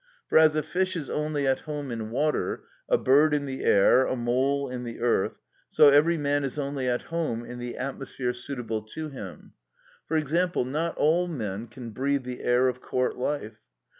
For as a fish is only at home in water, a bird in the air, a mole in the earth, so every man is only at home in the atmosphere suitable to him. For example, not all men can breathe the air of court life.